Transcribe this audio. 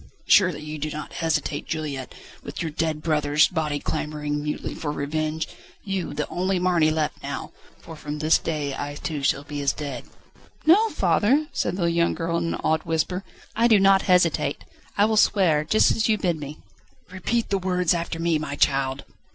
"Surely you do not hesitate, Juliette, with your dead brother's body clamouring mutely for revenge? You, the only Marny left now! for from this day I too shall be as dead." "No, father," said the young girl in an awed whisper, "I do not hesitate. I will swear, just as you bid me." "Repeat the words after me, my child."